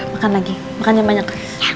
makan lagi makan yang banyak